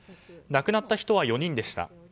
亡くなった人は４人でした。